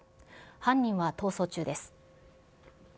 犯人は逃走中です。